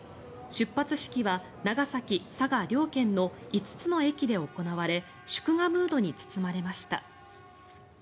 出発式は長崎・佐賀両県の５つの駅で行われ祝賀ムードに包まれました。